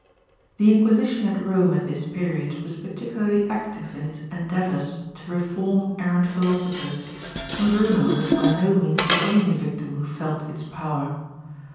The Inquisition at Rome at this period was particularly active in its endeavours to reform errant philosophers, and Bruno was by no means the only victim who felt its power.